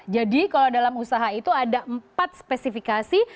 jadi kalau dalam usaha itu ada empat spesifikasi